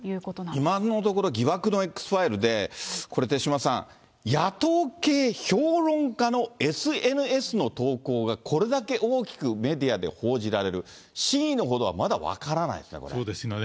今のところ、疑惑のＸファイルで、これ、手嶋さん、野党系評論家のＳＮＳの投稿がこれだけ大きくメディアで報じられる、真意の程はまだ分からないですね、そうですよね。